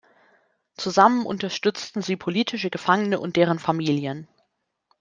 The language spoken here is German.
Zusammen unterstützten sie politische Gefangene und deren Familien.